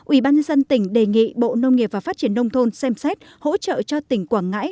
ủy ban dân tỉnh đề nghị bộ nông nghiệp và phát triển nông thôn xem xét hỗ trợ cho tỉnh quảng ngãi